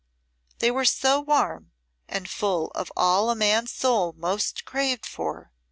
They were so warm and full of all a man's soul most craved for.